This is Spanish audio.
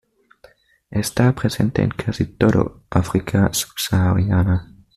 Está presente en casi toda África subsahariana.